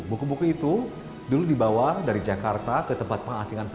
buku buku itu dulu dibawa dari jakarta ke tempat pengasingan